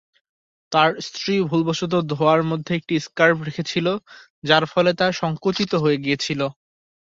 তার স্ত্রী ভুলবশত ধোয়ার মধ্যে একটা স্কার্ফ রেখেছিল, যার ফলে তা সঙ্কুচিত হয়ে গিয়েছিল।